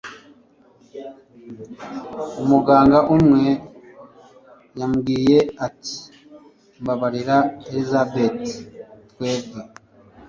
umuganga umwe yamubwiye ati mbabarira, elizabeti. twebwe